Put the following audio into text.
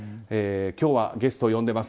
今日はゲストを呼んでます。